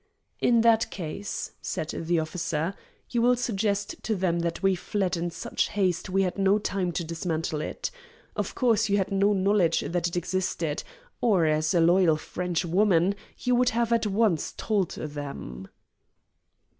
"In that case," said the officer, "you will suggest to them that we fled in such haste we had no time to dismantle it. Of course, you had no knowledge that it existed, or, as a loyal French woman, you would have at once told them."